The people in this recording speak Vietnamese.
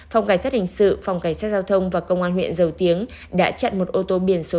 phòng cảnh sát hình sự phòng cảnh sát giao thông và công an huyện dầu tiếng đã chặn một ô tô biển số